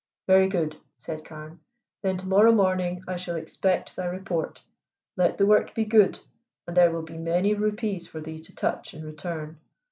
"Very good," said Carne. "Then to morrow morning I shall expect thy report. Let the work be good, and there will be many rupees for thee to touch in return.